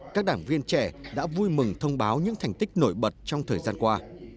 các đảng viên trẻ đã vui mừng thông báo những thành tích nổi bật trong thời gian qua